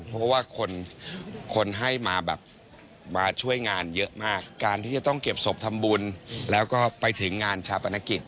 เพราะว่าคนคนให้มาแบบมาช่วยงานเยอะมากการที่จะต้องเก็บศพทำบุญแล้วก็ไปถึงงานชาปนกิจ